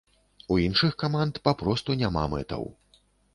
У іншых каманд папросту няма мэтаў.